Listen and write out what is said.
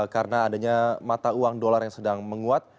karena adanya mata uang dolar yang sedang menguat